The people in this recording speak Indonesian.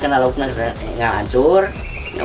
kalau tidak air akan terlalu banyak